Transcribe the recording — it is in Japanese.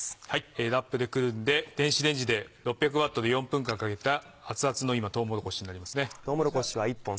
ラップでくるんで電子レンジで６００Ｗで４分間かけた熱々の今とうもろこしになりますね。